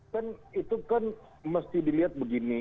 kan itu kan mesti dilihat begini